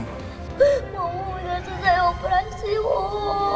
ma udah selesai operasi om